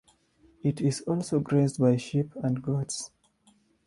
It is also grazed by sheep and goats.